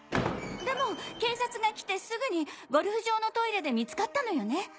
でも警察が来てすぐにゴルフ場のトイレで見つかったのよね？